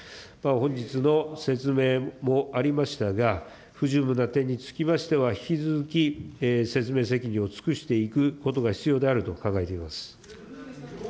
本日の説明もありましたが、不十分な点につきましては、引き続き説明責任を尽くしていくことが必要であると考えています。